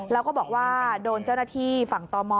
แล้วก็บอกว่าโดนเจ้าหน้าที่ฝั่งตม